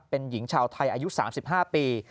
เป็นหญิงชาวไทยอายุ๓๕ปี